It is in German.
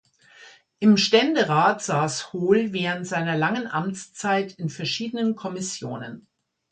Im Ständerat sass Hohl während seiner langen Amtszeit in verschiedenen Kommissionen.